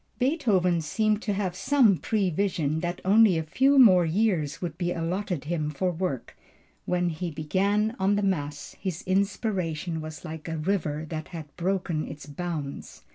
Beethoven seemed to have some prevision that only a few more years would be allotted him for work; when he began on the mass his inspiration was like a river that had broken its bounds.